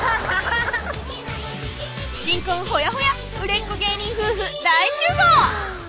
新婚ほやほや売れっ子芸人夫婦大集合！